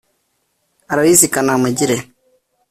Aloys Kanamugire